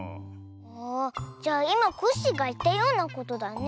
ああじゃいまコッシーがいったようなことだね。